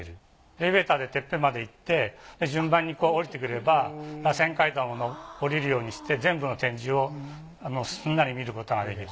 エレベーターでてっぺんまで行って順番に下りてくれば螺旋階段を下りるようにして全部の展示をすんなり見ることができる。